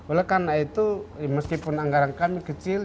oleh karena itu meskipun anggaran kami kecil